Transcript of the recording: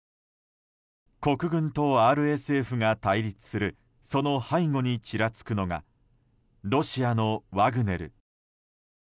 国軍とＲＳＦが対立するその背後にちらつくのがロシアのワグネル。